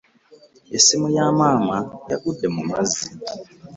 Essimu ya maama yagudde mu mazzi.